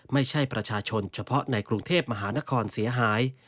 ไม่ใช่ประชาชนเฉพาะในกรุงเทพมหานครเสียหาย